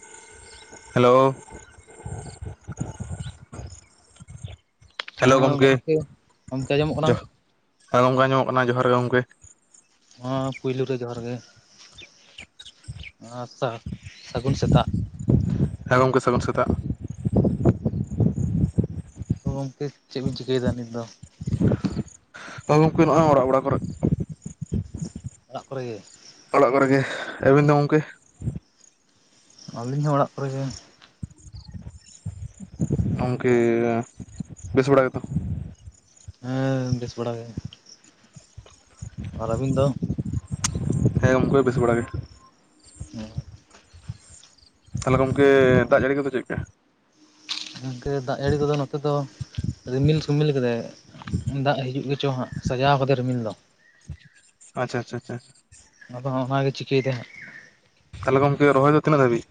[inaudible] Hello hello ᱜᱚᱢᱠᱮ ᱜᱚᱢᱠᱮ ᱟᱸᱡᱚᱢᱚᱜ ᱡ ᱠᱟᱱᱟ ᱦᱮᱸ ᱜᱚᱝᱠᱮ ᱟᱸᱡᱚᱢᱚᱜ ᱠᱟᱱᱟ ᱡᱚᱦᱟᱨ ᱜᱮ ᱜᱚᱝᱠᱮ ᱾ ᱦᱚᱸᱮ ᱯᱩᱭᱞᱩ ᱨᱮ ᱡᱚᱦᱟᱨ ᱜᱮ ᱟᱨ ᱥᱟᱹᱜᱩᱱ ᱥᱮᱛᱟᱜ ᱾ ᱦᱮᱸ ᱜᱚᱝᱠᱮ ᱥᱟᱹᱜᱩᱱ ᱥᱮᱛᱟᱜ ᱾ ᱛᱚ ᱜᱚᱝᱠᱮ ᱪᱮᱫ ᱵᱤᱱ ᱪᱤᱠᱟᱹᱭᱮᱫᱟ ᱱᱤᱛ ᱫᱚ? ᱦᱳᱭ ᱜᱚᱝᱠᱮ ᱱᱚᱼᱚᱭ ᱚᱲᱟᱜ ᱵᱟᱲᱟ ᱠᱚᱨᱮ ᱾ ᱚᱲᱟᱜ ᱠᱚᱨᱮ ᱜᱮ ᱚᱲᱟᱜ ᱠᱚᱨᱮ ᱜᱮ ᱟᱵᱮᱱ ᱫᱚ ᱜᱚᱝᱠᱮ? ᱟᱹᱞᱤᱧ ᱦᱚᱸ ᱚᱲᱟᱜ ᱠᱚᱨᱮ ᱾ ᱜᱚᱝᱠᱮ ᱵᱮᱥ ᱵᱟᱲᱟ ᱜᱮᱛᱚ? ᱦᱮᱸ ᱵᱮᱥ ᱵᱟᱲᱟ ᱜᱮ ᱾ ᱟᱨ ᱟᱵᱤᱱ ᱫᱚ? ᱦᱮᱸ ᱜᱚᱝᱠᱮ ᱵᱮᱥ ᱵᱟᱲᱟ ᱜᱮ ᱾ ᱦᱮᱸ ᱾ ᱛᱟᱦᱚᱞᱮ ᱜᱚᱝᱠᱮ ᱫᱟᱜ ᱡᱟᱹᱲᱤ ᱠᱚᱫᱚ ᱪᱮᱫ ᱞᱮᱠᱟ? ᱜᱚᱝᱠᱮ ᱫᱟᱜ ᱡᱟᱹᱲᱤ ᱠᱚᱫᱚ ᱱᱚᱛᱮ ᱫᱚ ᱨᱤᱢᱤᱞ ᱥᱤᱢᱤᱞ ᱟᱠᱟᱫᱟᱭ ᱫᱟᱜ ᱦᱤᱡᱩᱜ ᱜᱮ ᱪᱚᱭ ᱦᱟᱸᱜ ᱥᱟᱡᱟᱣ ᱟᱠᱟᱫᱟᱭ ᱨᱤᱢᱤᱞ ᱫᱚ ᱾ ᱟᱪᱪᱷᱟ ᱟᱪᱪᱷᱟ ᱟᱪᱪᱷᱟ [inaudible] ᱟᱫᱚ ᱚᱱᱟ ᱜᱮ ᱪᱤᱠᱟᱹᱭ ᱫᱟ ᱦᱟᱸᱜ ᱛᱟᱦᱚᱞᱮ ᱜᱚᱝᱠᱮ ᱨᱚᱭ ᱫᱚ ᱛᱤᱱᱟᱹᱜ ᱫᱷᱟᱹᱵᱤᱡ?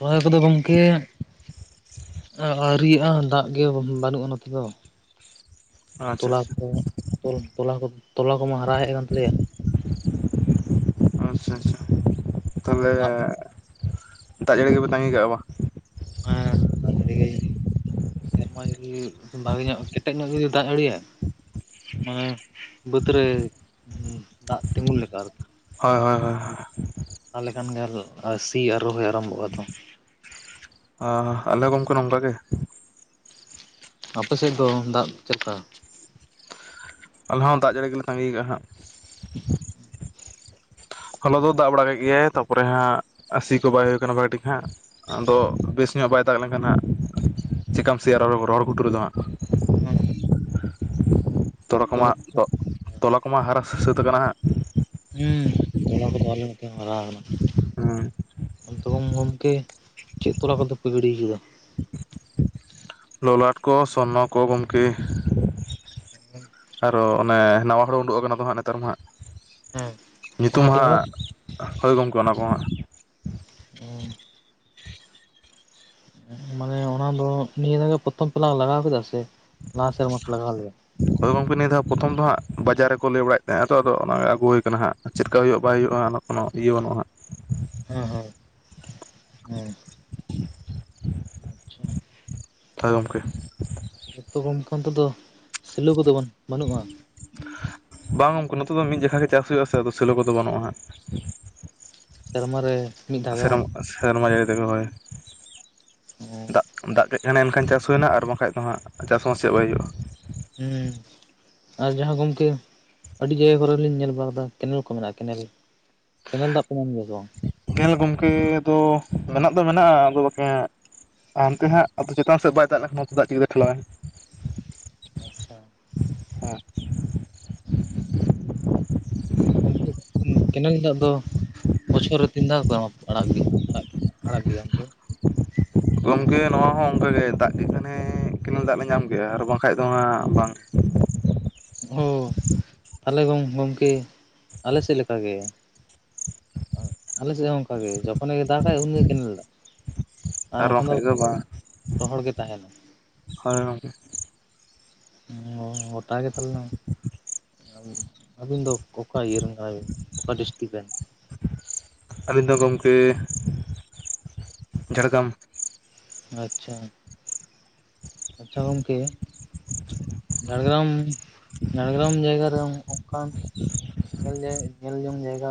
ᱨᱚᱦᱚᱭ ᱠᱚᱫᱚ ᱜᱚᱝᱠᱮ ᱟᱹᱣᱨᱤᱭᱼᱟ ᱫᱟᱜ ᱜᱮ ᱵᱟᱹᱱᱩᱜᱼᱟ ᱱᱚᱛᱮ ᱫᱚ ᱟᱪᱪᱷᱟ ᱛᱚᱞᱟ ᱟᱪᱪᱷᱟ ᱠᱚ ᱛᱚᱞ ᱛᱚᱞᱟ ᱠᱚᱢᱟ ᱦᱟᱨᱟ ᱦᱮᱡ ᱟᱠᱟᱱ ᱛᱟᱞᱮᱭᱟ ᱾ ᱟᱪᱪᱷᱟ ᱟᱪᱪᱷᱟ ᱛᱟᱞᱦᱮ ᱫᱟᱜ ᱫᱟᱜ ᱡᱟᱹᱲᱤ ᱜᱮᱯᱮ ᱛᱟᱺᱜᱤ ᱠᱟᱜᱼᱟ ᱵᱟᱝ? ᱦᱮᱸ ᱫᱟᱜ ᱡᱟᱹᱲᱤ ᱜᱮ ᱥᱮᱨᱢᱟ ᱡᱩᱫᱤ ᱵᱷᱟᱜᱤ ᱧᱚᱜ ᱠᱮᱴᱮᱡ ᱧᱚᱜ ᱡᱩᱫᱤ ᱫᱟᱜ ᱡᱟᱹᱲᱤᱭᱟ ᱢᱟᱱᱮ ᱵᱟᱹᱫᱽ ᱨᱮ ᱫᱟᱜ ᱛᱤᱸᱜᱩᱱ ᱞᱮᱠᱟ ᱟᱨᱠᱤ ᱾ ᱦᱳᱭ ᱦᱳᱭ ᱦᱳᱭ ᱾ ᱛᱟᱦᱚᱞᱮ ᱠᱷᱟᱱ ᱜᱮ ᱥᱤ ᱟᱨ ᱨᱚᱦᱚᱭ ᱟᱨᱟᱢᱵᱷᱚᱜᱼᱟ ᱛᱚ ᱾ ᱚ ᱟᱞᱮ ᱜᱚᱝᱠᱮ ᱱᱚᱝᱠᱟ ᱜᱮ ᱾ ᱟᱯᱮ ᱥᱮᱫ ᱫᱚ ᱫᱟᱜ ᱪᱮᱞᱮᱠᱟ? ᱟᱞᱮ ᱦᱚᱸ ᱫᱟᱜ ᱡᱟᱹᱲᱤ ᱜᱮᱞᱮ ᱛᱟᱸᱜᱤ ᱟᱠᱟᱜ ᱦᱟᱜ [inaudible] ᱦᱚᱞᱟ ᱫᱚ ᱫᱟᱜ ᱵᱟᱲᱟ ᱠᱮ ᱜᱮᱭᱟᱭ ᱛᱟᱯᱚᱨᱮ ᱦᱟᱸᱜ ᱥᱤ ᱠᱚ ᱵᱟᱭ ᱦᱩᱭ ᱟᱠᱟᱱᱟ ᱵᱷᱟᱹᱜᱤ ᱴᱷᱤᱠ ᱦᱟᱸᱜ ᱾ ᱟᱫᱚ ᱵᱮᱥ ᱧᱚᱜ ᱵᱟᱭ ᱫᱟᱜᱼᱟᱜ ᱞᱮᱱ ᱠᱷᱟᱱ ᱦᱟᱸᱜ ᱪᱤᱠᱟᱹᱢ ᱥᱮᱭᱟ ᱨᱚᱦᱚᱲ ᱨᱚᱦᱚᱲ ᱜᱷᱩᱴᱩ ᱨᱮ ᱫᱚ ᱦᱟᱸᱜ ᱦᱮᱸ᱾ ᱛᱚᱞᱟ ᱠᱚᱢᱟ ᱛᱚ ᱛᱚᱞᱟ ᱠᱚᱢᱟ ᱦᱟᱨᱟ ᱥᱟᱹᱛ ᱠᱟᱱᱟ ᱦᱟᱸᱜ ᱦᱩᱸ ᱛᱚᱞᱟ ᱠᱚᱫᱚ ᱟᱞᱮ ᱢᱤᱫᱛᱮ ᱦᱟᱨᱟ ᱟᱠᱟᱱᱟ ᱦᱮᱸ ᱾ ᱟᱫᱚ ᱜᱚᱝᱠᱮ ᱪᱮᱫ ᱛᱚᱞᱟ ᱠᱚᱫᱚ ᱯᱮ ᱜᱤᱲᱤ ᱠᱟᱫᱟ? ᱞᱚᱞᱟᱴ ᱠᱚ ᱥᱚᱨᱱᱚ ᱠᱚ ᱜᱚᱝᱠᱮ ᱾ [unintelligible] ᱚ ᱚᱱᱮ ᱱᱟᱣᱟ ᱦᱩᱲᱩ ᱩᱰᱩᱠ ᱟᱠᱟᱱᱟ ᱫᱚ ᱦᱟᱸᱜ ᱱᱮᱛᱟᱨ ᱢᱟ ᱦᱟᱸᱜ ᱦᱮᱸ ᱚᱱᱟ ᱧᱩᱛᱩᱢ ᱯᱮ ᱞᱟᱜᱟᱣ ᱦᱟᱸᱜ ᱦᱚᱭ ᱜᱚᱢᱠᱮ ᱚᱱᱟ ᱠᱚᱦᱟᱜ ᱩᱸ ᱢᱟᱱᱮ ᱚᱱᱟ ᱫᱚ ᱱᱤᱭᱟᱹ ᱫᱷᱟᱣ ᱜᱮ ᱯᱚᱛᱷᱚᱢ ᱯᱮ ᱞᱟᱜᱟᱣ ᱠᱮᱫᱟ ᱥᱮ ᱞᱟᱦᱟ ᱥᱮᱨᱢᱟ ᱯᱮ ᱞᱟᱜᱟᱣ ᱞᱮᱜᱟ ᱦᱳᱭ ᱜᱚᱝᱠᱮ ᱱᱤᱭᱟᱹ ᱫᱷᱟ ᱯᱚᱛᱷᱚᱢ ᱫᱚ ᱦᱟᱸᱜ ᱵᱟᱡᱟᱨ ᱨᱮᱠᱚ ᱞᱟᱹᱭ ᱵᱟᱲᱟᱭᱮᱫ ᱛᱟᱦᱮᱸᱼᱟ ᱛᱚ ᱟᱫᱚ ᱚᱱᱟ ᱟᱜᱩ ᱦᱚᱹᱭ ᱟᱠᱟᱱᱟ ᱪᱮᱫᱠᱟ ᱦᱩᱭᱩᱜᱼᱟ ᱵᱟᱭ ᱦᱩᱭᱩᱜᱼᱟ ᱚᱱᱟ ᱠᱳᱱᱳ ᱤᱭᱟᱹ ᱵᱟᱹᱱᱩᱜᱼᱟ ᱦᱟᱸᱜ ᱦᱮᱸ ᱦᱮᱸ ᱦᱮᱸ ᱟᱪᱪᱷᱟ ᱦᱳᱭ ᱜᱚᱝᱠᱮ ᱮᱛᱳ ᱜᱚᱝᱠᱮ ᱚᱱᱛᱮ ᱫᱚ ᱥᱮᱞᱳ ᱠᱚᱫᱚ ᱵᱟᱱ ᱵᱟᱹᱱᱩᱜᱼᱟ ᱵᱟᱝ ᱜᱚᱝᱠᱮ ᱱᱚᱛᱮ ᱫᱚ ᱢᱤᱫ ᱡᱟᱠᱷᱟ ᱜᱮ ᱪᱟᱥ ᱦᱩᱭᱩᱜ ᱟᱥᱮ ᱟᱫᱚ ᱥᱮᱞᱚ ᱠᱚᱫᱚ ᱵᱟᱹᱱᱩᱜᱼᱟ ᱦᱟᱸᱜ ᱥᱮᱨᱢᱟ ᱨᱮ ᱢᱤᱫ ᱫᱷᱟᱣ ᱜᱮ ᱵᱟᱝ? ᱥᱮᱨᱢᱟ ᱥᱮᱨᱢᱟ ᱡᱟᱹᱲᱤ ᱛᱮᱜᱮ ᱦᱳᱭ ᱫᱟᱜ ᱫᱟᱜ ᱠᱮᱜ ᱠᱷᱟᱱᱮ ᱮᱱᱠᱷᱟᱱ ᱪᱟᱥ ᱦᱩᱭᱮᱱᱟ ᱟᱨ ᱵᱟᱠᱷᱟᱡ ᱫᱚ ᱦᱟᱸᱜ ᱪᱟᱥ ᱵᱟᱭ ᱪᱮᱫ ᱵᱟᱭ ᱦᱩᱭᱩᱜᱼᱟ ᱦᱩᱸ ᱟᱨ ᱡᱟᱦᱟᱸ ᱜᱚᱢᱠᱮ ᱟᱹᱰᱤ ᱡᱟᱭᱜᱟ ᱠᱚᱨᱮ ᱞᱤᱧ ᱧᱮᱞ ᱵᱟᱲᱟ ᱟᱠᱟᱱᱟ ᱠᱮᱱᱮᱞ ᱠᱚ ᱢᱮᱱᱟᱜᱼᱟ ᱠᱮᱱᱮᱞ ᱠᱮᱱᱮᱠ ᱫᱟᱜ ᱯᱮ ᱧᱟᱢ ᱜᱮᱭᱟ ᱥᱮ ᱵᱟᱝ ᱜᱮᱞ ᱜᱚᱝᱠᱮ ᱫᱚ ᱢᱮᱱᱟᱜ ᱫᱚ ᱢᱮᱱᱟᱜᱼᱟ ᱟᱫᱚ ᱵᱟᱠᱷᱟᱡ ᱦᱟᱸᱜ ᱦᱟᱱᱛᱮ ᱦᱟᱸᱜ ᱟᱫᱚ ᱪᱮᱛᱟᱱ ᱥᱮᱫ ᱵᱟᱭ ᱫᱟᱜ ᱞᱮᱠᱷᱟᱱ ᱱᱚᱛᱮ ᱫᱟᱜ ᱪᱤᱠᱟᱹᱛᱮᱭ ᱴᱷᱮᱞᱟᱣᱟᱭ ᱟᱪᱪᱷᱟ ᱦᱮᱸ ᱜᱚᱝᱠᱮ ᱠᱮᱱᱮᱞ ᱫᱟᱜ ᱫᱚ ᱵᱚᱪᱷᱚᱨ ᱨᱮ ᱛᱤᱱ ᱫᱷᱟᱣ ᱠᱚ ᱮᱢᱟ, ᱟᱲᱟᱜᱽ ᱜᱮᱭᱟ, ᱟᱲᱟᱜᱽ ᱜᱮᱭᱟ, ᱟᱲᱟᱜᱽ ᱜᱮᱭᱟ ᱜᱚᱝᱠᱮ ᱜᱚᱝᱠᱮ ᱱᱚᱣᱟ ᱦᱚᱸ ᱚᱝᱠᱟᱜ ᱜᱮ ᱫᱟᱜ ᱠᱮᱫ ᱠᱷᱟᱱᱮ ᱠᱮᱱᱮᱞ ᱫᱟᱜ ᱞᱮ ᱧᱟᱢ ᱠᱮᱫᱼᱟ ᱟᱨ ᱵᱟᱝᱠᱷᱟᱱ ᱫᱚ ᱦᱟᱸᱜ ᱵᱟᱝ ᱚ ᱛᱟᱦᱞᱮ ᱜᱚᱝᱠᱮ ᱟᱞᱮ ᱥᱮᱫ ᱞᱮᱠᱟ ᱜᱮ ᱟᱞᱮ ᱥᱮᱡ ᱦᱚᱸ ᱚᱱᱠᱟ ᱜᱮ ᱡᱚᱠᱷᱚᱱ ᱜᱮ ᱫᱟᱜᱟᱭ ᱩᱱᱤᱜᱮ ᱠᱮᱱᱮᱞ ᱫᱟᱜ ᱟᱨ ᱵᱟᱠᱷᱟᱱ ᱫᱚ ᱨᱚᱦᱚᱲ ᱜᱮ ᱛᱟᱦᱮᱱᱟ ᱦᱚᱭ ᱜᱚᱢᱠᱮ ᱚ ᱜᱚᱴᱟᱜ ᱜᱮ ᱛᱟᱞᱦᱮ ᱟᱹᱵᱤᱱ ᱫᱚ ᱚᱠᱟ ᱤᱭ ᱨᱮᱱ ᱠᱟᱱᱟᱵᱤᱱ ᱚᱠᱟ ᱰᱤᱥᱴᱤᱠ ᱨᱮᱱ ᱟᱹᱞᱤᱧ ᱫᱚ ᱜᱚᱢᱠᱮ ᱡᱷᱟᱲᱜᱨᱟᱢ ᱟᱪᱷᱟ ᱟᱪᱪᱷᱟ ᱜᱚᱢᱠᱮ ᱡᱷᱟᱲᱜᱨᱟᱢ ᱡᱷᱟᱲᱜᱨᱟᱢ ᱡᱟᱭᱜᱟ ᱫᱚ ᱚᱝᱠᱟᱱ ᱧᱮᱞ [unintelligible] ᱧᱮᱞ ᱡᱚᱝ ᱡᱟᱭᱜᱟ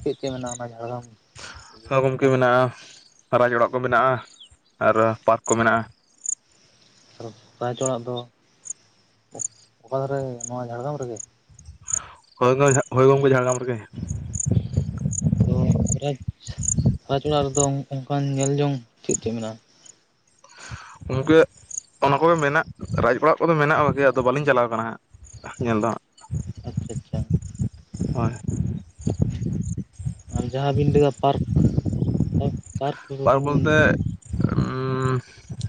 ᱪᱮᱫ ᱪᱮᱫ ᱢᱮᱱᱟᱜᱼᱟ ᱚᱱᱟ ᱡᱷᱟᱲᱜᱨᱟᱢ [unintelligible] ᱜᱚᱢᱠᱮ ᱢᱮᱱᱟᱜᱼᱟ, ᱨᱟᱡᱽ ᱚᱲᱟᱜ ᱠᱚ ᱢᱮᱱᱟᱜᱼᱟ ᱟᱨ ᱯᱟᱨᱠ ᱠᱚ ᱢᱮᱱᱟᱜᱼᱟ ᱨᱟᱪᱴᱡᱽ ᱚᱲᱟᱜ ᱫᱚ ᱚᱠᱟ ᱫᱷᱟᱨᱮ ᱱᱚᱣᱟ ᱡᱷᱟᱲᱜᱨᱟᱢ ᱨᱮᱜᱮ ᱦᱳᱭ ᱜᱚᱢᱠᱮ, ᱦᱳᱭ ᱜᱚᱝᱠᱮ ᱡᱷᱟᱲᱜᱨᱟᱢ ᱨᱮᱜᱮ ᱟᱫᱚ ᱨᱟᱡᱽ, ᱨᱟᱡᱽ ᱚᱲᱟᱜ ᱨᱮᱫᱚ ᱚᱝᱠᱟᱱ ᱧᱮᱞ ᱡᱚᱝ ᱪᱮᱫ ᱪᱮᱫ ᱢᱮᱱᱟᱜᱼᱟ ᱜᱚᱢᱠᱮ ᱚᱱᱟ ᱠᱚᱜᱮ ᱢᱮᱱᱟᱜ ᱨᱟᱡᱽ ᱚᱲᱟᱜ ᱠᱚᱫᱚ ᱢᱮᱱᱟᱜᱼᱟ ᱜᱚᱢᱠᱮ ᱟᱫᱚ ᱵᱟᱹᱞᱤᱧ ᱪᱟᱞᱟᱣ ᱠᱟᱱᱟ ᱦᱟᱸᱜ ᱧᱮᱞ ᱫᱚ ᱦᱟᱸᱜ ᱟᱪᱪᱷᱟ ᱟᱪᱪᱷᱟ ᱦᱚᱭ ᱟᱨ ᱡᱟᱦᱟᱸ ᱵᱤᱱ ᱞᱟᱹᱭᱫᱟ ᱯᱟᱨᱠ ᱯᱟᱨᱠ ᱵᱚᱞᱛᱮ ᱩᱸᱻ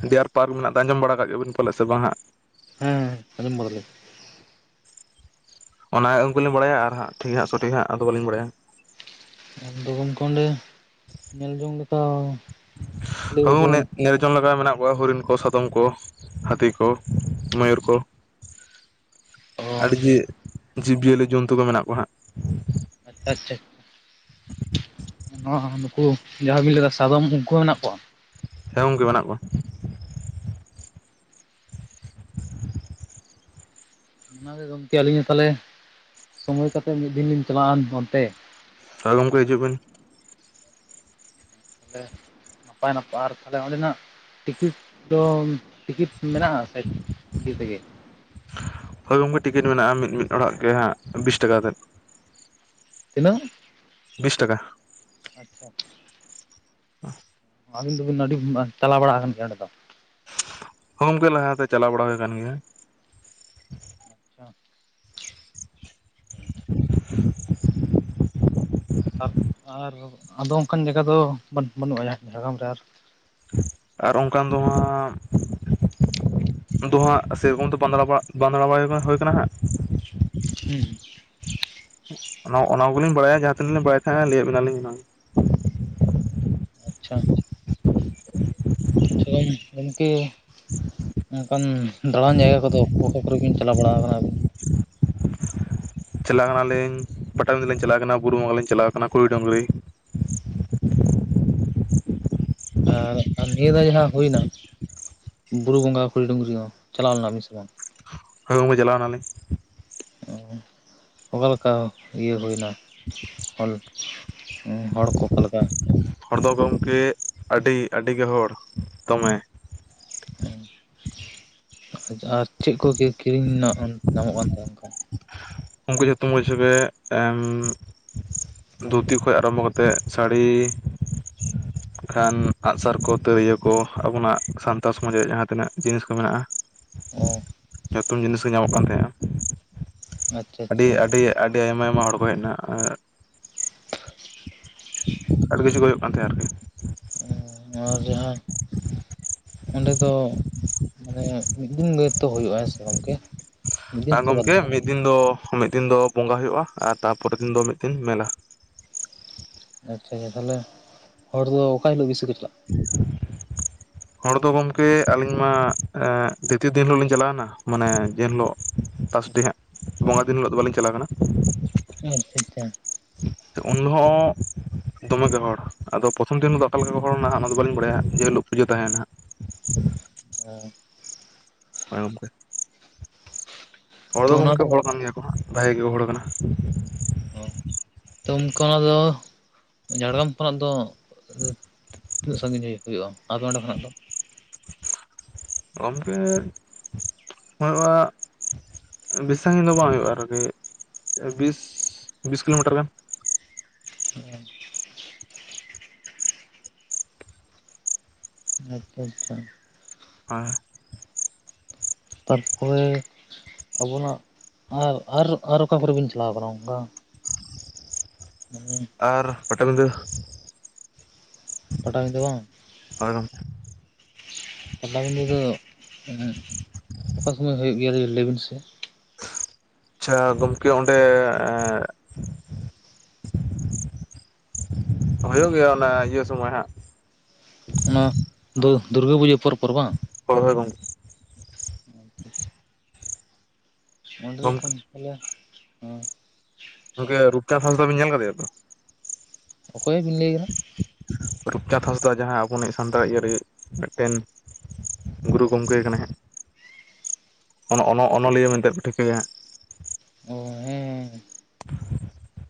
ᱰᱤᱭᱟᱨ ᱯᱟᱨᱠ ᱢᱮᱱᱟᱜ ᱫᱚ ᱟᱸᱡᱚᱢ ᱵᱟᱲᱟ ᱠᱟᱜ ᱜᱮᱵᱤᱱ ᱯᱟᱞᱮᱫ ᱥᱮ ᱵᱟᱝ ᱦᱟᱸᱜ ᱦᱮᱸ ᱟᱡᱚᱢ ᱵᱟᱲᱟ ᱞᱤᱧ ᱚᱱᱟ [unintelligible] ᱵᱟᱲᱟᱭᱟ ᱟᱨ ᱦᱟᱸᱜ ᱴᱷᱤᱠ ᱦᱟᱸᱜ ᱥᱚᱴᱷᱤᱠ ᱦᱟᱸᱜ ᱟᱫᱚ ᱵᱟᱞᱤᱧ ᱵᱟᱲᱟᱭᱟ ᱟᱫᱚ ᱜᱚᱢᱠᱮ ᱚᱸᱰᱮ ᱧᱮᱞ ᱡᱚᱝ ᱞᱮᱠᱟ ᱞᱟᱹᱭ ᱟᱠᱚ ᱦᱚᱱᱮ ᱧᱮᱞ ᱡᱚᱱ ᱞᱮᱠᱟ ᱢᱮᱱᱟᱜ ᱠᱚᱣᱟ ᱦᱚᱨᱤᱱ ᱠᱚ ᱥᱟᱫᱚᱢ ᱠᱚ ᱦᱟᱹᱛᱤ ᱠᱚ ᱢᱚᱭᱩᱨ ᱠᱚ ᱚ ᱟᱹᱰᱤ ᱡᱮ ᱡᱤᱵᱽᱼᱡᱤᱭᱟᱹᱞᱤ ᱡᱚᱱᱛᱩ ᱠᱚ ᱢᱮᱱᱟᱜ ᱠᱚᱣᱟ ᱦᱟᱸᱜ [unintelligible] ᱱᱚᱣᱟ ᱱᱩᱠᱩ ᱡᱟᱦᱟᱸ ᱵᱤᱱ ᱞᱟᱹᱭᱟ ᱫᱟ ᱥᱟᱫᱚᱢ ᱠᱩ ᱦᱚᱸ ᱢᱮᱱᱟᱜ ᱠᱚᱣᱟ ᱦᱮᱸ ᱜᱚᱢᱠᱮ ᱢᱮᱱᱟᱜ ᱠᱚᱣᱟ [inaudible] ᱚᱱᱟᱜᱮ ᱜᱚᱢᱠᱮ ᱟᱹᱞᱤᱧ ᱫᱚ ᱛᱟᱦᱚᱞᱮ ᱥᱚᱢᱚᱭ ᱠᱟᱛᱮ ᱢᱤᱫ ᱫᱤᱱ ᱞᱤᱧ ᱪᱟᱞᱟᱜᱼᱟ ᱚᱱᱛᱮ ᱦᱚᱭ ᱜᱚᱢᱠᱮ ᱦᱤᱡᱩᱜ ᱵᱤᱱ ᱛᱟᱦ ᱱᱟᱯᱟᱭ ᱱᱟᱯᱟᱭ ᱟᱨ ᱛᱟᱦᱚᱞᱮ ᱚᱸᱰᱮᱱᱟᱜ ᱴᱤᱠᱤᱴ ᱫᱚ ᱴᱤᱠᱤᱴ ᱢᱮᱱᱟᱜᱼᱟ ᱥᱮ ᱤᱭᱟᱹ ᱛᱮᱜᱮ ᱦᱳᱭ ᱜᱚᱝᱠᱮ ᱴᱤᱠᱤᱴ ᱢᱮᱱᱟᱜᱼᱟ ᱢᱤᱫᱼᱢᱤᱫ ᱦᱚᱲᱟᱜ ᱜᱮ ᱦᱟᱸᱜ ᱵᱤᱥ ᱴᱟᱠᱟ ᱠᱟᱛᱮᱫ ᱛᱤᱱᱟᱹᱜ ᱵᱤᱥ ᱴᱟᱠᱟ ᱟᱪᱪᱷᱟ [inaudible] ᱟᱹᱵᱤᱱ ᱫᱚᱵᱤᱱ ᱟᱹᱰᱤ ᱪᱟᱞᱟᱣ ᱵᱟᱲᱟ ᱟᱠᱟᱱ ᱜᱮᱭᱟ ᱚᱸᱰᱮ ᱫᱚ ᱦᱚᱸ ᱜᱚᱢᱠᱮ ᱞᱟᱦᱟᱛᱮ ᱪᱟᱞᱟᱣ ᱵᱟᱲᱟ ᱦᱩᱭ ᱟᱠᱟᱱ ᱜᱮᱭᱟ ᱟᱪᱪᱷᱟ ᱟᱨ ᱟᱫᱚ ᱚᱱᱠᱟᱱ ᱡᱟᱭᱜᱟ ᱫᱚ ᱵᱟᱹᱱᱩᱜᱼᱟ ᱡᱷᱟᱲᱜᱽᱨᱟᱢ ᱨᱮ ᱟᱨ ᱟᱨ ᱚᱱᱠᱟᱱ ᱫᱚ ᱦᱟᱸᱻ ᱫᱚ ᱦᱟᱸᱜ ᱥᱮᱭᱨᱚᱠᱚᱢ ᱫᱚ ᱯᱟᱸ ᱵᱟᱸᱫᱽᱲᱟ ᱵᱟᱲ ᱦᱩᱭ ᱠᱟᱱᱟ ᱦᱟᱸᱜ ᱦᱩᱸ ᱚᱱᱟ ᱠᱚᱞᱤᱧ ᱵᱟᱰᱟᱭᱟ ᱡᱟᱦᱟᱸ ᱛᱤᱱᱟᱹᱜ ᱞᱤᱧ ᱵᱟᱰᱟᱭ ᱛᱟᱦᱮᱸ ᱞᱟᱹᱭᱟᱫ ᱵᱮᱤᱱᱟ ᱞᱤᱧᱝ ᱟᱪᱷᱟ ᱟᱚᱝ ᱜᱚᱢᱠᱮ ᱚᱱᱠᱟᱱ ᱫᱟᱬᱟᱱ ᱡᱟᱭᱜᱟ ᱠᱚᱫᱚ ᱚᱠᱟ ᱠᱚᱨᱮᱵᱤᱱ ᱪᱟᱞᱟᱣ ᱵᱟᱲᱟ ᱟᱠᱟᱱᱟᱵ? ᱪᱟᱞᱟᱣ ᱠᱟᱱᱟᱞᱤᱧ ᱯᱟᱴᱟᱵᱤᱸᱫᱤᱟᱹᱤᱧ ᱪᱟᱞᱟᱣ ᱠᱟᱱᱟ ᱵᱩᱨᱩ ᱵᱚᱸ ᱞᱤᱧ ᱪᱟᱞᱟᱣ ᱠᱟᱱᱟ ᱠᱩᱲᱤ ᱰᱩᱝᱨᱤ ᱟᱨ ᱱᱤᱭᱟᱹ ᱫᱷᱟᱣ ᱡᱟᱦᱟᱸ ᱦᱩᱭᱱᱟ ᱵᱩᱨᱩ ᱵᱚᱸᱜᱟ ᱯᱩᱸᱰ ᱰᱩᱝᱨᱤ ᱦᱚᱸ ᱪᱟᱞᱟᱣ ᱞᱮᱱᱟ ᱵᱮᱱ ᱥᱮ ᱵᱟᱝ ᱦᱚᱭ ᱜᱚᱢᱠᱮ ᱪᱟᱞᱟᱣ ᱣᱮᱱᱟᱞᱤᱧ ᱚ ᱚᱠᱟᱞᱮᱠᱟ ᱤᱭᱟᱹ ᱦᱩᱭᱱᱟ ᱚᱞ ᱦᱚᱲᱠᱚ ᱚᱠᱟ ᱞᱮᱠᱟ ᱦᱚᱲ ᱫᱚ ᱜᱚᱢᱠᱮ ᱟᱹᱰᱤ ᱟᱹᱰᱤ ᱜᱮ ᱦᱚᱲ ᱫᱚᱢᱮ ᱦᱮᱸ ᱟᱨ ᱪᱮᱫ ᱠᱚᱜ ᱠᱤᱨᱤᱧ ᱨᱮᱱᱟᱜ ᱧᱟᱢᱚᱜ ᱠᱟᱱ ᱛᱟᱦᱮᱸ ᱚᱱᱠᱟ? ᱩᱱᱠᱩ ᱡᱚᱛᱚ ᱢᱩᱡᱟᱹᱣ ᱮᱢ ᱫᱷᱩᱛᱤ ᱠᱷᱚᱱ ᱟᱨᱟᱢᱵᱚ ᱠᱟᱛᱮ ᱥᱟᱹᱲᱤ ᱠᱷᱟᱱ ᱟᱜᱼᱥᱟᱨ ᱠᱚ ᱛᱤᱨᱭᱟᱹ ᱠᱚ ᱟᱵᱚᱱᱟᱜ ᱥᱟᱱᱛᱟᱲ ᱥᱚᱢᱟᱡᱽ ᱨᱮᱭᱟᱜ ᱡᱟᱦᱟᱸ ᱛᱤᱱᱟᱹᱜ ᱡᱤᱱᱤᱥ ᱠᱚ ᱢᱮᱱᱟᱜᱼᱟ ᱚ ᱱᱩᱛᱩᱱ ᱡᱤᱱᱤᱥ ᱠᱚ ᱧᱟᱢᱚᱜ ᱠᱟᱱ ᱛᱟᱦᱮᱸᱜᱼᱟ ᱟᱪᱷᱟ ᱟᱹᱰᱤ ᱟᱹᱰᱤ ᱟᱹᱰᱤ ᱟᱭᱢᱟ ᱟᱭᱢᱟ ᱦᱚᱲ ᱠᱚ ᱦᱮᱡ ᱮᱱᱟ [inaudible] ᱟᱹᱰᱤ ᱠᱤᱪᱷᱩ ᱜᱮ ᱦᱩᱭᱩᱜ ᱠᱟᱱ ᱛᱟᱸᱦᱮᱫ ᱟᱨᱠᱤ ᱟᱨ ᱡᱟᱦᱟᱸ ᱚᱸᱰᱮ ᱫᱚ ᱢᱟᱱᱮ ᱢᱤᱫ ᱫᱤᱱ ᱜᱮ ᱛᱚᱳᱭᱳᱜᱼᱟ ᱜᱚᱢᱠᱮ ᱢᱤᱫ ᱢᱤᱫ ᱫᱤᱱ ᱫᱚ ᱢᱤᱫ ᱫᱤᱱ ᱫᱚ ᱵᱚᱸᱜᱟ ᱦᱩᱭᱩᱜᱼᱟ ᱟᱨ ᱛᱟᱨᱯᱚᱨᱮᱨ ᱫᱤᱱ ᱫᱚ ᱢᱤᱫ ᱫᱤᱱ ᱢᱮᱞᱟ ᱟᱪᱷᱟᱭᱟ ᱛᱟᱦᱚᱞᱮ ᱦᱚᱲ ᱫᱚ ᱚᱠᱟ ᱦᱤᱞᱚᱜ ᱵᱮᱥᱤ ᱠᱚ ᱪᱟᱞᱟᱜ? [unintelligible] ᱦᱚᱲ ᱫᱚ ᱜᱚᱢᱠᱮ ᱟᱹᱞᱤᱧ ᱢᱟ ᱫᱤᱛᱤᱭᱚ ᱫᱤᱱ ᱦᱤᱞᱳᱜ ᱞᱤᱧ ᱪᱟᱞᱟᱣᱱᱟ ᱢᱟᱱᱮ ᱡᱮ ᱦᱤᱞᱚᱜ ᱛᱟᱥᱰᱤ ᱦᱟᱸᱜ ᱵᱚᱸᱜᱟ ᱫᱤᱱ ᱦᱤᱞᱳᱜ ᱫᱚ ᱵᱟᱹᱞᱤᱧ ᱪᱟᱞᱟᱣ ᱠᱟᱱᱟ ᱟᱪᱪᱷᱟ ᱟᱪᱪᱷᱟ [unintelligible] [inaudible] ᱩᱱᱦᱜ ᱫᱚᱢᱮᱜᱮ ᱵᱮᱵᱚᱦᱟᱨᱚᱜᱼᱟ ᱟᱫᱚ ᱯᱨᱚᱛᱷᱚᱢ ᱫᱤᱱ ᱫᱚ ᱚᱠᱟᱞᱮ ᱞᱮᱠᱟ ᱠᱚ ᱵᱚᱞᱚᱱᱟ ᱦᱟᱸᱜ ᱚᱱᱟ ᱫᱚ ᱵᱟᱞᱤᱧ ᱵᱟᱲᱟᱭᱟ ᱡᱮᱦᱤᱞᱳᱜ ᱯᱩᱡᱟᱹ ᱛᱟᱦᱮᱱᱟᱦᱟᱜ ᱦ [unintelligible] ᱦᱳᱭ ᱜᱚᱢᱠᱮ ᱦᱚᱲ ᱛᱚ ᱫᱚ ᱚᱱᱟ ᱜᱚᱢᱠᱮ ᱦᱚᱲ ᱠᱟᱱ ᱜᱮᱭᱟ ᱠᱚ ᱦᱟᱸᱜ ᱵᱷᱟᱜᱮ ᱜᱮ ᱦᱚᱲ ᱠᱟᱱᱟ [inaudible] ᱚᱱᱠᱟ ᱫᱚ ᱡᱷᱟᱲᱜᱨᱟᱢ ᱠᱷᱚᱱᱟᱜ ᱫᱚ ᱛᱤᱱᱟᱹᱜ ᱥᱟᱺᱜᱤᱧ ᱦᱩᱭᱩᱜᱼᱟ ᱟᱯᱮ ᱚᱸᱰᱮ ᱠᱷᱚᱱᱟᱜ ᱫᱚ ᱜᱚᱢᱠᱮ [unintelligible] ᱵᱮᱥ ᱥᱟᱺᱜᱤᱧ ᱫᱚ ᱵᱟᱝ ᱦᱩᱭᱩᱜᱼᱟ ᱟᱨᱠᱤ ᱵᱤᱥ ᱵᱤᱥ ᱠᱤᱞᱳᱢᱤᱴᱟᱨ ᱜᱟᱱ [inaudible] ᱟᱪᱪᱷᱟ ᱟᱪᱪᱷᱟ [unintelligible] ᱛᱟᱨᱯᱚᱨᱮ ᱟᱵᱚᱱᱟᱜ ᱟᱨ ᱟᱨ ᱟᱨ ᱚᱠᱟ ᱠᱚᱨᱮᱵᱤᱱ ᱪᱟᱞᱟᱣ ᱠᱟᱱᱟ ᱚᱱᱠᱟ ᱦᱮᱸ ᱟᱨ ᱯᱟᱴᱟᱵᱤᱸᱫᱟᱹ ᱯᱟᱴᱟᱵᱤᱸᱫᱟᱹ ᱵᱟᱝ ᱦᱳᱭ ᱜᱚᱢᱠᱮ ᱯᱟᱴᱟᱵᱤᱸᱫᱟᱹ ᱫᱚ ᱮᱸ ᱚᱠᱟ ᱥᱚᱢᱚᱭ ᱦᱩᱭᱩᱜ ᱜᱮᱭᱟ ᱞᱟᱹᱭ ᱵᱤᱱ ᱥᱮ ᱟᱪᱷᱟ ᱜᱚᱝᱠᱮ ᱚᱱᱰᱮ ᱦᱩᱭᱩᱜ ᱜᱮᱭᱟ ᱚᱱᱟ ᱤᱭᱟᱹ ᱥᱚᱢᱚᱭ ᱦᱟᱸᱜ ᱚᱱᱟ ᱫᱚ ᱫᱩᱨᱜᱟᱹ ᱯᱩᱡᱟᱹ ᱯᱚᱨ ᱯᱚᱨ ᱵᱟᱝ [unintelligible] ᱦᱚᱭ ᱜᱚᱢᱠᱮ [inaudible] ᱚᱸᱰᱮ ᱫᱚ ᱜᱚᱢᱠᱮ ᱯᱷᱚᱱ [unintelligible] ᱛᱟᱦᱚᱞᱮ ᱜᱚᱝᱠᱮ ᱨᱩᱯᱪᱟᱸᱫᱽ ᱦᱟᱸᱥᱫᱟ ᱵᱮᱱ ᱧᱮᱞ ᱟᱠᱟᱫᱮᱭᱟ ᱛᱚ ᱚᱠᱚᱭᱮᱵᱤᱱ ᱞᱟᱹᱭᱮᱫᱟ ᱨᱩᱯᱪᱟᱸᱫᱽ ᱦᱟᱸᱥᱫᱟ ᱡᱟᱦᱟᱸ ᱟᱵᱚᱱᱤᱡ ᱥᱟᱱᱛᱟᱲ ᱤᱭᱟᱹ ᱢᱤᱫᱴᱮᱱ ᱜᱩᱨᱩ ᱜᱚᱢᱠᱮ ᱠᱟᱱᱟᱭ ᱦᱟᱸᱜ -ᱚᱱᱚ-ᱚᱱᱚ ᱚᱱᱚᱞᱤᱭᱟᱹ ᱢᱮᱱᱛᱮ ᱯᱮ ᱴᱷᱤᱠᱟᱹᱭᱟ ᱚ ᱦᱮᱸᱦᱮᱸ ᱦᱮᱸ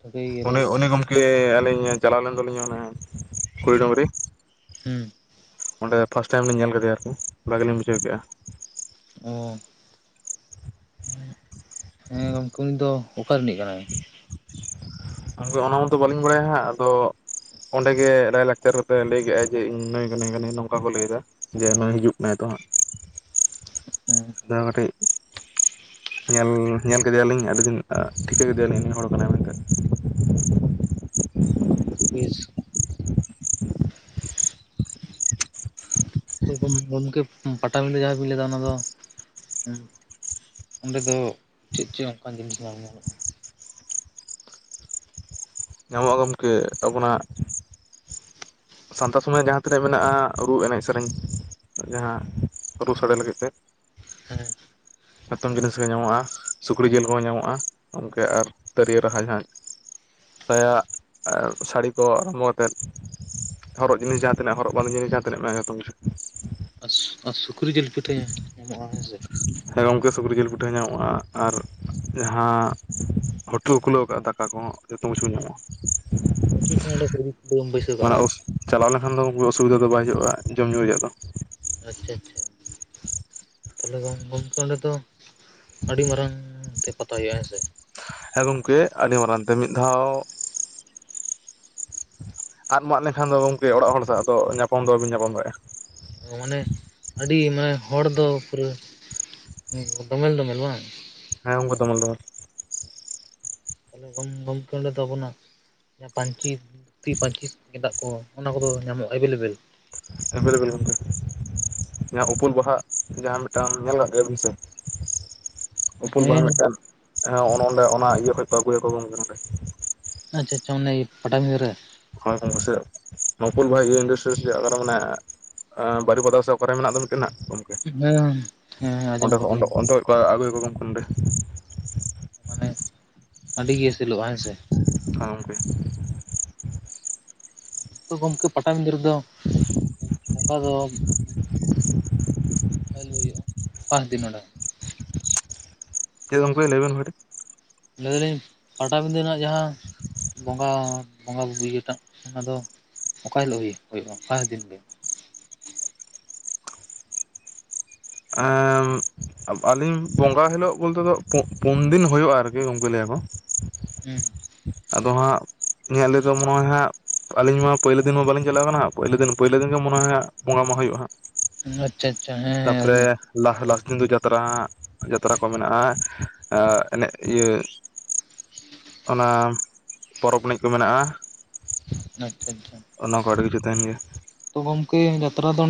ᱴᱷᱟᱹᱣᱠᱟᱹᱭ -ᱚᱱᱮ ᱜᱮᱭᱟᱞᱤᱧ ᱚᱱᱮ ᱜᱚ- ᱞᱤ ᱟᱹᱞᱤᱧ ᱪᱟᱞᱟᱣ ᱞᱮᱱ ᱫᱚᱞᱤᱧ ᱚᱱᱮ ᱠᱩᱲᱤ ᱰᱩᱝᱨᱤ ᱦᱩᱸ ᱚᱸᱰᱮ ᱯᱷᱟᱥ ᱴᱟᱭᱤᱢ ᱞᱤᱧ ᱧᱮᱞ ᱠᱮᱫᱮᱭᱟ ᱟᱨᱠᱤ ᱵᱷᱟᱜᱤ ᱞᱤᱧ ᱵᱩᱡᱷᱟᱹᱣ ᱠᱮᱫᱼᱟ [unintelligible] ᱦᱮᱸ ᱜᱚᱝᱠᱮ ᱩᱱᱤ ᱫᱚ ᱚᱠᱟ ᱨᱤᱱᱤᱡ ᱠᱟᱱᱟᱭ [inaudible] ᱜᱚᱢᱠᱮ ᱚᱱᱟ ᱢᱟᱛᱚ ᱵᱟᱹᱞᱤᱧ ᱵᱟᱲᱟᱭᱟ ᱦᱟᱸᱜ ᱟᱫᱚ ᱚᱸᱰᱮᱜᱮ ᱞᱟᱭᱞᱟᱠᱪᱟᱨ ᱠᱟᱛᱮᱜ ᱞᱟᱹᱭ ᱠᱮᱜᱟᱭ ᱡᱮ ᱤᱧ ᱱᱩᱭ ᱠᱟᱹᱱᱟᱧ ᱱᱚᱝᱠᱟ ᱷᱚ ᱞᱟᱹᱭ ᱮᱫᱟ ᱡᱮ ᱱᱩᱭ ᱦᱤᱡᱩᱜ ᱠᱟᱱᱟᱭ ᱛᱚ ᱦᱟᱸᱜ [inaudible] ᱦᱮᱸ ᱫ ᱠᱟᱹᱴᱤᱡ ᱧᱮᱞ ᱧᱮᱞ ᱠᱮᱫᱮᱭᱟ ᱟᱞᱤᱧ ᱟᱹᱰᱤ ᱫᱤᱱ ᱴᱷᱤᱠᱟᱹ ᱠᱮᱫᱮᱭᱟᱞᱤᱧ ᱦᱚᱲ ᱠᱟᱱᱟᱭ ᱢᱮᱱᱛᱮ [inaudible] ᱟᱹᱰᱤ ᱵᱮᱥ ᱜᱚᱢᱠᱮ ᱯᱟᱴᱟᱵᱤᱱᱫᱟᱹ ᱡᱟᱦᱟᱸ ᱵᱤᱱ ᱞᱟᱹᱭᱟ ᱚᱱᱟ ᱫᱚ ᱚᱸᱰᱮ ᱫᱚ ᱪᱮᱫ ᱪᱚᱸ ᱚᱱᱠᱟᱱ ᱡᱤᱱᱤᱥ ᱧᱟᱢ ᱧᱟᱢᱚᱜᱼᱟ ᱧᱟᱢᱚᱜᱼᱟ ᱜᱚᱢᱠᱮ ᱟᱵᱚᱱᱟᱜ ᱥᱟᱱᱛᱟᱲ ᱥᱚᱢᱚᱭ ᱡᱟᱦᱟᱸ ᱛᱤᱱᱟᱹᱜ ᱢᱮᱱᱟᱜᱼᱟ ᱨᱩ ᱮᱱᱮᱡ ᱥᱮᱨᱮᱧ ᱡᱟᱦᱟᱸ ᱨᱩ ᱥᱟᱰᱮ ᱞᱟᱹᱜᱤᱫ ᱛᱮ ᱦᱮᱸ ᱢᱚᱛᱚᱢ ᱡᱤᱱᱤᱥ ᱜᱮ ᱧᱟᱢᱚᱜᱼᱟ ᱥᱩᱠᱨᱤ ᱡᱤᱞ ᱦᱚᱸ ᱧᱟᱢᱚᱜᱼᱟ ᱜᱚᱢᱠᱮ ᱟᱨ ᱛᱤᱨᱭᱟᱹ ᱨᱟᱦᱟ ᱡᱟᱦᱟᱸᱜ ᱥᱟᱭᱟ ᱥᱟᱹᱲᱤ ᱠᱚ ᱟᱨᱟᱢᱵᱷᱚ ᱠᱟᱛᱮᱫ ᱦᱚᱨᱚᱜ ᱡᱤᱱᱤᱥ ᱡᱟᱦᱟᱸ ᱛᱤᱱᱟᱹᱜ ᱦᱚᱨᱚᱜ ᱵᱟᱸᱫᱮ ᱡᱤᱱᱤᱥ ᱡᱟᱦᱟᱸ ᱛᱱᱟᱹᱜ ᱢᱮᱱᱟᱜᱼᱟ ᱡᱚᱛᱚ ᱠᱤᱪᱷᱩ ᱟᱥ ᱟᱥ ᱥᱩᱠᱨᱤ ᱡᱤᱞ ᱯᱤᱴᱷᱟᱹ ᱮᱢᱚᱜᱼᱟ ᱦᱮᱸᱥᱮ ᱦᱮᱸ ᱜᱚᱢᱠᱮ ᱥᱩᱠᱨᱤ ᱡᱤᱞ ᱯᱤᱴᱷᱟᱹ ᱧᱟᱢᱚᱜᱼᱟ ᱟᱨ ᱡᱟᱦᱟᱸ ᱦᱚᱴᱩ ᱠᱷᱩᱞᱟᱹᱣ ᱟᱠᱟᱫ ᱫᱟᱠᱟ ᱠᱚᱦᱚᱸ ᱡᱚᱛᱚ ᱠᱤᱪᱷᱩ ᱦᱮᱸ ᱧᱟᱢᱚᱜᱼᱟ ᱦᱳᱴᱮᱞ ᱠᱚ ᱚᱸᱰᱮ ᱠᱚ ᱵᱟᱹᱭᱥᱟᱹᱣ ᱠᱟᱜᱼᱟ ᱚᱱᱟ ᱵᱟᱝ ᱚᱥ ᱪᱟᱞᱟᱣ ᱞᱮᱠᱷᱟᱱ ᱫᱚ ᱩᱱᱟᱜ ᱚᱥᱩᱵᱤᱫᱷᱟ ᱫᱚ ᱵᱟᱭ ᱦᱩᱭᱩᱜᱼᱟ ᱡᱚᱢ ᱧᱩ ᱨᱮᱭᱟᱜ ᱫᱚ ᱟᱪᱪᱷᱟ ᱛᱟᱦᱚᱞᱮ ᱜᱚᱢᱠᱮ ᱚᱸᱰᱮ ᱫᱚ ᱟᱹᱰᱤ ᱢᱟᱨᱟᱝ ᱛᱮ ᱯᱟᱛᱟ ᱦᱩᱭᱩᱜᱼᱟ ᱦᱮᱸᱥᱮ ᱦᱮᱸ ᱜᱚᱢᱠᱮ ᱟᱹᱰᱤ ᱢᱟᱨᱟᱝ ᱛᱮ ᱢᱤᱫ ᱫᱷᱟᱣ ᱟᱫ ᱢᱟᱜ ᱞᱮᱠᱷᱟᱱ ᱫᱚ ᱜᱚᱝᱠᱮ ᱚᱲᱟᱜ ᱦᱚᱲ ᱥᱟᱶᱫᱚ ᱧᱟᱯᱟᱢ ᱫᱚ ᱵᱟᱹᱧ ᱧᱟᱯᱟᱢ ᱫᱟᱲᱮᱭᱟᱜᱼᱟ᱾ ᱢᱟᱱᱮ ᱟᱹᱰᱤ ᱢᱟᱱᱮ ᱦᱚᱲ ᱫᱚ ᱯᱩᱨᱟᱹ ᱰᱳᱢᱮᱞ ᱰᱳᱢᱮᱞ ᱵᱟᱝ ᱦᱮᱸ ᱜᱚᱝᱠᱮ ᱫᱚᱢᱟᱞ ᱫᱚᱢᱟᱞ ᱛᱟᱦᱮ ᱜᱚᱢᱠᱮ ᱚᱸᱰᱮ ᱫᱚ ᱟᱵᱚᱱᱟᱜ ᱡᱟᱦᱟᱸ ᱯᱟᱹᱧᱪᱤ ᱫᱷᱩᱛᱤ ᱯᱟᱹᱧᱪᱤ ᱜᱮᱫᱟᱜ ᱠᱚ ᱚᱱᱟ ᱠᱚᱫᱚ ᱧᱟᱢᱚᱜᱼᱟ ᱮᱵᱮᱞᱮᱵᱮᱞ᱾ ᱮᱵᱮᱞ ᱮᱵᱮᱞ ᱜᱚᱢᱠᱮ ᱡᱟᱦᱟᱸ ᱩᱯᱟᱹᱞ ᱵᱟᱦᱟ ᱡᱟᱦᱟᱸ ᱢᱤᱫᱴᱟᱝ ᱧᱮᱞ ᱠᱟᱜ ᱜᱮᱭᱟ ᱵᱤᱱ ᱥᱮ ᱩᱯᱩᱞ ᱵᱟᱦᱟ ᱦᱮᱸ ᱢᱤᱫᱴᱟᱝ ᱚᱱᱮ ᱚᱸᱰᱮ ᱚᱱᱟ ᱤᱭᱟᱹ ᱠᱷᱚ ᱠᱚ ᱟᱹᱜᱩᱭᱟᱠᱚ ᱜᱚᱢᱠᱮ ᱱᱚᱸᱰᱮ ᱟᱪᱪᱷᱟ ᱟᱪᱪᱷᱟ ᱚᱱᱮ ᱯᱟᱴᱟ ᱵᱤᱫᱟᱹ ᱨᱮ ᱦᱳᱭ ᱜᱚᱝᱠᱮ ᱥᱮ ᱱᱚᱯᱩᱞ ᱵᱷᱟᱭ ᱤᱱᱰᱟᱥᱴᱨᱤ ᱪᱮ ᱚᱠᱟᱨᱮ ᱢᱮᱱᱟᱜ ᱟ ᱵᱟᱨᱤᱯᱟᱫᱟ ᱥᱮ ᱚᱠᱟᱨᱮ ᱢᱮᱱᱟᱜ ᱫᱚ ᱢᱤᱫᱴᱮᱱ ᱦᱟᱜ ᱦᱮᱸ ᱦᱮᱸ ᱟᱸᱡᱚᱢ ᱠᱟᱫᱟᱞᱤᱧ ᱟᱹᱜᱩᱭ ᱟᱠᱚ ᱜᱚᱢᱠᱮ ᱢᱟᱱᱮ ᱟᱹᱰᱤ ᱜᱮᱥᱮᱞᱚᱜᱼᱟ ᱦᱮᱸ ᱥᱮ ᱟᱨ ᱜᱚᱢᱠᱮ ᱜᱚᱢᱠᱮ ᱯᱟᱴᱟᱵᱤᱫᱟᱹ ᱨᱮᱫᱚ ᱚᱱᱠᱟ ᱫᱚ ᱟᱹᱞᱩ ᱦᱩᱭᱩᱜᱼᱟ ᱯᱟᱸᱪ ᱫᱤᱱ ᱚᱸᱰᱮ ᱪᱮᱫ ᱜᱚᱢᱠᱮ ᱞᱟᱹᱭᱵᱮᱱ ᱠᱟᱹᱴᱤᱡ ᱞᱟᱹᱭ ᱫᱟᱞᱤᱧ ᱯᱟᱴᱟᱵᱤᱫᱟᱹ ᱨᱮᱱᱟᱜ ᱡᱟᱦᱟᱸ ᱵᱚᱸᱜᱟ ᱵᱚᱸᱜᱟ ᱤᱭᱟᱹᱴᱟᱜ ᱚᱱᱟᱫᱚ ᱚᱠᱟ ᱦᱤᱞᱳᱜ ᱦᱩᱭᱩᱜᱼᱟ ᱚᱠᱟ ᱯᱟᱥ ᱫᱤᱱ ᱜᱮ ᱮᱻ ᱟᱹᱞᱤᱧ ᱵᱚᱸᱜᱟ ᱦᱤᱞᱳᱜ ᱵᱚᱞᱛᱮ ᱫᱚ ᱯᱩᱱ ᱫᱤᱱ ᱦᱩᱭᱩᱜᱼᱟ᱾ ᱟᱨᱠᱤ ᱜᱚᱢᱠᱮ ᱞᱟᱹᱭᱟᱠᱚ ᱦᱩᱸ ᱟᱫᱚ ᱦᱟᱸᱜ ᱤᱧᱟᱹᱜ ᱞᱟᱹᱭ ᱫᱚ ᱢᱚᱱᱮ ᱦᱟᱸᱜ ᱟᱞᱤᱧ ᱢᱟ ᱯᱳᱭᱞᱳ ᱫᱤᱱ ᱢᱚᱱᱮ ᱦᱟᱜ ᱟᱹᱞᱤᱧ ᱢᱟ ᱯᱩᱤᱞᱩ ᱫᱤᱱ ᱵᱟᱞᱤᱧ ᱪᱟᱞᱟᱣ ᱠᱟᱱᱟ ᱯᱟᱭᱞᱟ ᱫᱤᱱ ᱯᱳᱭᱞᱳ ᱫᱤᱱ ᱜᱮ ᱢᱚᱱᱮ ᱦᱟᱜ ᱵᱚᱸᱜᱟ ᱢᱟᱦᱟ ᱦᱩᱭᱩᱜᱼᱟ ᱦᱟᱸᱜ ᱟᱪᱪᱷᱟ ᱟᱪᱪᱷᱟ ᱛᱟᱯᱚᱨᱮ ᱦᱮᱸ ᱞᱟᱥ ᱞᱟᱥ ᱫᱤᱱ ᱫᱚ ᱡᱟᱛᱨᱟ ᱡᱟᱛᱨᱟ ᱠᱚ ᱢᱮᱱᱟᱜᱼᱟᱱᱮᱡ ᱤᱭᱟᱹ ᱚᱱᱟ ᱯᱚᱨᱚᱵᱽ ᱮᱱᱮᱡ ᱠᱚ ᱢᱮᱱᱟᱜᱼᱟ᱾ ᱟᱪᱪᱷᱟ ᱟᱪᱪᱷᱟ ᱚᱱᱟ ᱠᱚ ᱟᱹᱰᱤ ᱠᱤᱪᱷᱩ ᱛᱟᱦᱮᱱ ᱜᱮᱭᱟ ᱛᱚ ᱜᱚᱝᱠᱮ ᱡᱟᱛᱨᱟ ᱫᱚ